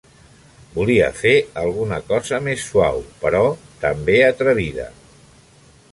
Volia fer alguna cosa més suau, però també atrevida...